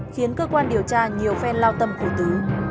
khiến cơ quan điều tra nhiều phen lao tâm khổ tứ